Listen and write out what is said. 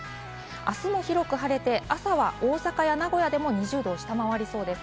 あすも広く晴れ、大阪や名古屋でも２０℃を下回りそうです。